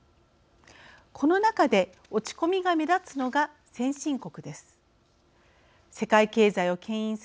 この中で落ち込みが目立つのが先進国です。